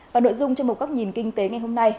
và nội dung trong một góc nhìn kinh tế ngày hôm nay